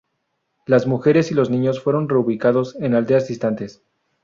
Las mujeres y los niños fueron "reubicados" en aldeas distantes.